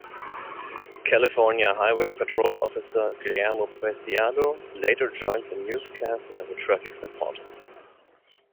California Highway Patrol officer Guillermo Preciado later joined the newscasts as a traffic reporter.